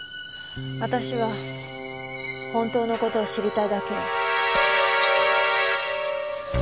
私は本当の事を知りたいだけよ。